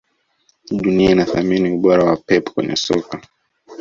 Dunia inathamini ubora wa Pep kwenye soka